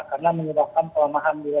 karena menyebabkan kelemahan nilai tukar